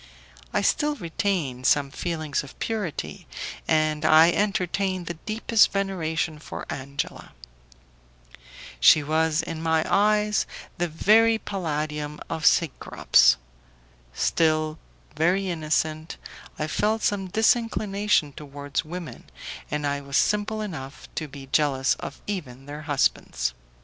I still retained some feelings of purity, and I entertained the deepest veneration for Angela. She was in my eyes the very palladium of Cecrops. Still very innocent, I felt some disinclination towards women, and I was simple enough to be jealous of even their husbands.